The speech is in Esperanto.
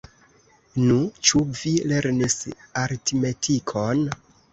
Nu, ĉu vi lernis aritmetikon?